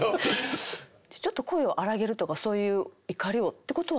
ちょっと声を荒げるとかそういう怒りをってことは？